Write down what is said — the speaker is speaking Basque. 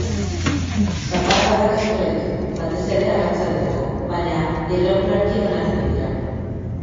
Zaparradak espero ditugu, batez ere arratsalderako, baina irregularki banatuko dira.